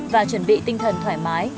và chuẩn bị tinh thần thoải mái